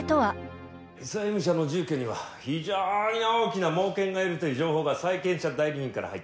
債務者の住居には非常に大きな猛犬がいるという情報が債権者代理人から入った。